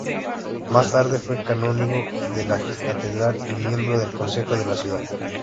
Más tarde fue canónigo de la catedral, y miembro del Concejo de la ciudad.